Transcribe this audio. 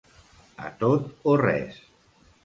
A tot o res.